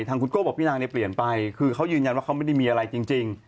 ทางคุณโก้บอกพี่นางเนี่ยเปลี่ยนไปคือเขายืนยันว่าเขาไม่ได้มีอะไรจริง